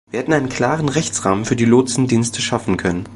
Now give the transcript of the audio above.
Wir hätten einen klaren Rechtsrahmen für die Lotsendienste schaffen können.